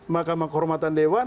makam kehormatan dewa